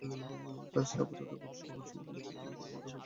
কাজটি আপাতত খুব সহজ কিম্বা নির্ঝঞ্ঝাট হবে বলে মনে হয় না।